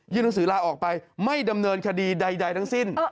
หนังสือลาออกไปไม่ดำเนินคดีใดทั้งสิ้น